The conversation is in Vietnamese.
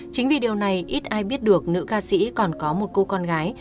chính vì điều này ít ai biết được nữ ca sĩ còn có một cô con gái